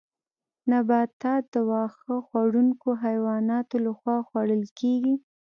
نباتات د واښه خوړونکو حیواناتو لخوا خوړل کیږي